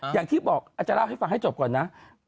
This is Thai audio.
อย่างที่บอกอาจจะเล่าให้ฟังให้จบก่อนนะ